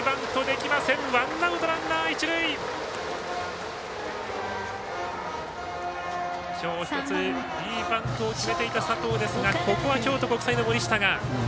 きょう１つ、いいバントを決めていた、佐藤ですがここは京都国際の森下が。